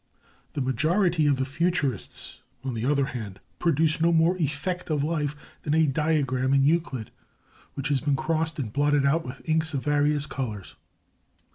The majority of the Futurists, on the other hand, produce no more effect of life than a diagram in Euclid which has been crossed and blotted out with inks of various colours.